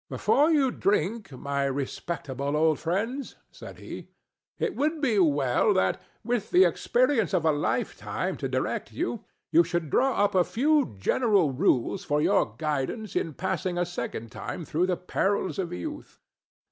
"Before you drink, my respectable old friends," said he, "it would be well that, with the experience of a lifetime to direct you, you should draw up a few general rules for your guidance in passing a second time through the perils of youth.